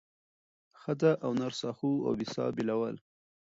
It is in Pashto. ښځه او نر ساهو او بې ساه بېلول